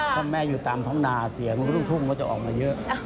เพราะแม่อยู่ตามท้องนาเสียงมันก็ลูกทุ่งก็จะออกมาเยอะ